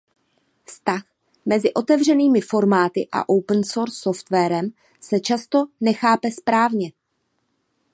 Vztah mezi otevřenými formáty a open source softwarem se často nechápe správně.